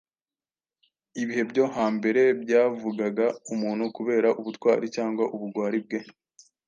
Ibihe byo hambere byavugaga umuntu kubera ubutwali cyangwa ubugwali bwe,